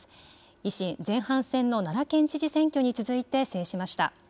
維新、前半戦の奈良県知事選挙に続いて制しました。